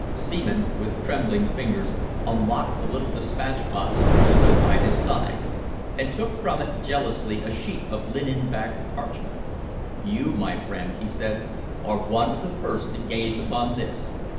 Seaman, with trembling fingers, unlocked the little despatch box which stood by his side and took from it jealously a sheet of linen backed parchment. "You, my friend," he said, "are one of the first to gaze upon this.